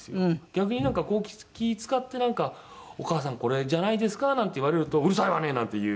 逆になんか気ぃ使って「お義母さんこれじゃないですか？」なんて言われると「うるさいわね」なんて言う。